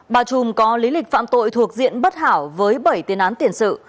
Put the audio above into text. bà trùm có lý lịch phạm tội thuộc diện bất hảo với bảy tiền án tiền sự